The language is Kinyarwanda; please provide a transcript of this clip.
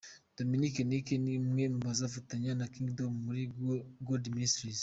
Dominic Nic ni umwe mu bazafatanya na Kingdom of God Ministries.